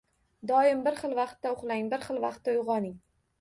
Doim bir xil vaqtda uxlang, bir xil vaqtda uyg‘oning.